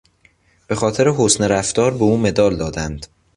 به خاطر حسن رفتار به او مدال دادند.